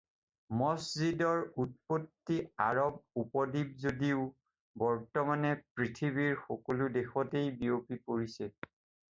মছজিদৰ উৎপত্তি আৰব উপদ্বীপ যদিও বৰ্তমানে পৃথিৱীৰ সকলো দেশতেই বিয়পি পৰিছে।